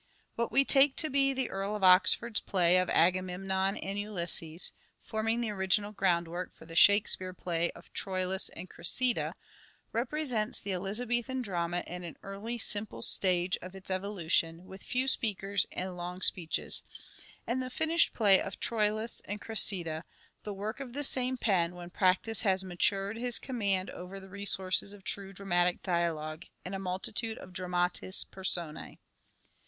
What we take to be the Earl of Oxford's play of "Agamemnon and Ulysses," forming the original ground work for the " Shakespeare " play of "Troilus and Cressida," represents the Elizabethan drama in an early simple stage of its evolution, with few speakers and long speeches, and the finished play of " Troilus and Cressida" the work of the same pen when practice had matured his command over the resources of true dramatic dialogue and a multitude of dramatis personae.